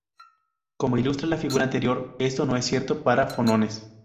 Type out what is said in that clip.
Como ilustra la figura anterior, esto no es cierto para fonones.